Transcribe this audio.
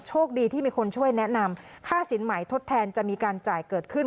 โชคดีที่มีคนช่วยแนะนำค่าสินใหม่ทดแทนจะมีการจ่ายเกิดขึ้น